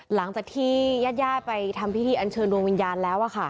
หลังจากที่แย่ยาย่ายไปทำพิถีอันเชิยดวงวิญญาณแล้วอ่ะค่ะ